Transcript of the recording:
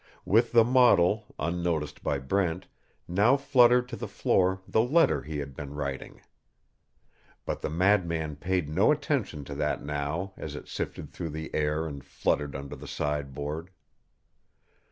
With the model, unnoticed by Brent, now fluttered to the floor the letter he had been writing. But the madman paid no attention to that now as it sifted through the air and fluttered under the sideboard.